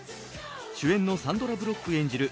主演のサンドラ・ブロック演じる